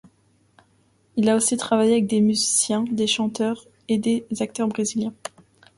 Il a aussi travaillé avec des musiciens, des chanteurs et des acteurs brésiliens.